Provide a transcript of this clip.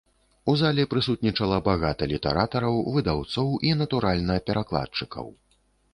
У зале прысутнічала багата літаратараў, выдаўцоў і, натуральна, перакладчыкаў.